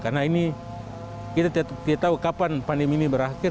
karena ini kita tidak tahu kapan pandemi ini berakhir